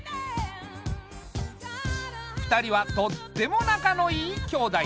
２人はとってもなかのいい兄妹。